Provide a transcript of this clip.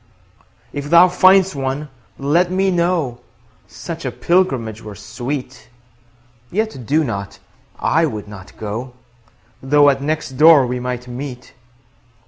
If thou find'st one, let me know; Such a pilgrimage were sweet. 20 Yet do not; I would not go, Though at next door we might meet.